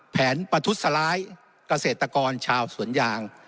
ประทุษร้ายเกษตรกรชาวสวนยาง